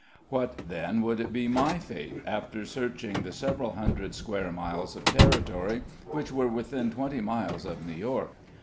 What, then, would be my fate, after searching the several hundred square miles of territory which were within twenty miles of New York.